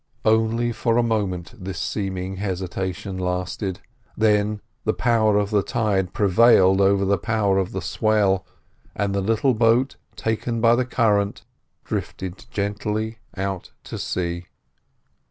Only for a moment this seeming hesitation lasted; then the power of the tide prevailed over the power of the swell, and the little boat taken by the current drifted gently out to sea.